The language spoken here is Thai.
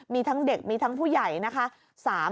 มีทั้งเด็กมีทั้งผู้ใหญ่นะคะ